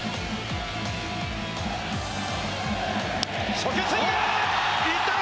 初球スイング！